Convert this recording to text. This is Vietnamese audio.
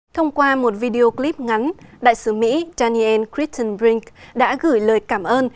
thông qua một video clip ngắn đại sứ mỹ daniel critton dring đã gửi lời cảm ơn